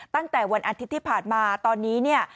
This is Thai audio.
ตั้งแต่วันอันทศิษย์ที่ผ่านมาตอนนี้